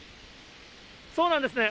そうなんですね。